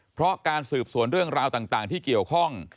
เพราะการสืบสวนเรื่องราวต่างที่เกี่ยวข้อง